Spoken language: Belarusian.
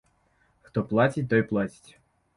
Хто плаціць, той плаціць.